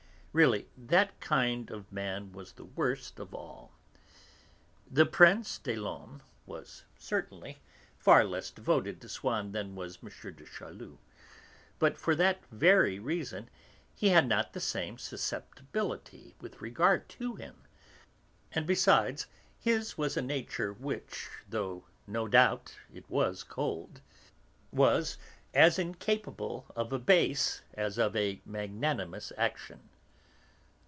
Really, that kind of man was the worst of all. The Prince des Laumes was, certainly, far less devoted to Swann than was M. de Charlus. But for that very reason he had not the same susceptibility with regard to him; and besides, his was a nature which, though, no doubt, it was cold, was as incapable of a base as of a magnanimous action.